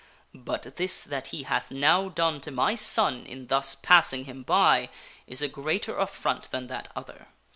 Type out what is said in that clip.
But this that he hath now done to my son in thus passing him by is a greater affront than that other."